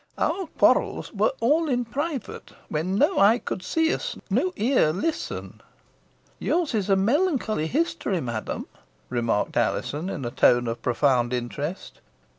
Our quarrels were all in private, when no eye could see us no ear listen." "Yours is a melancholy history, madam," remarked Alizon, in a tone of profound interest.